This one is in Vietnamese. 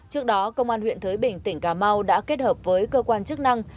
trước đó công an huyện thới bình tỉnh cà mau đã kết hợp với cơ quan chức năng